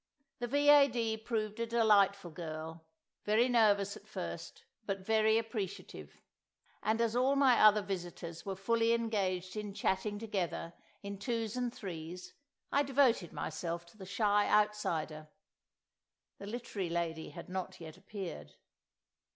The V.A.D. proved a delightful girl, very nervous at first, but very appreciative. And as all my other visitors were fully engaged in chatting together in twos and threes, I devoted myself to the shy outsider. The Literary Lady had not yet appeared.